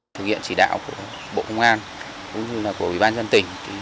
thực hiện chỉ đạo của bộ công an cũng như là của ủy ban dân tỉnh